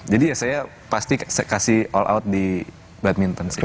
jadi ya saya pasti kasih all out di badminton sih